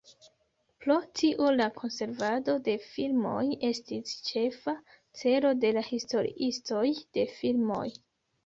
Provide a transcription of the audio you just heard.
Pro tio la konservado de filmoj estis ĉefa celo de la historiistoj de filmoj.